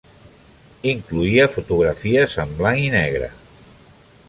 Incloïa fotografies en blanc i negre.